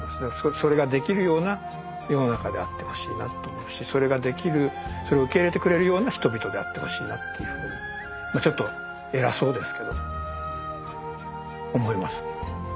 それができるような世の中であってほしいなと思うしそれができるそれを受け入れてくれるような人々であってほしいなというふうにちょっと偉そうですけど思います。